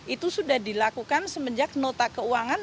itu sudah dilakukan semenjak nota keuangan